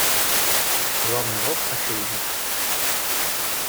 Главный урок очевиден.